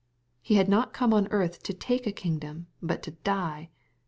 He had not come on earth to take a kingdom, but to die.